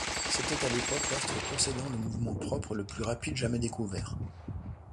C'était à l'époque l'astre possédant le mouvement propre le plus rapide jamais découvert.